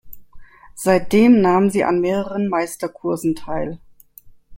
Seitdem nahm sie an mehreren Meisterkursen teil.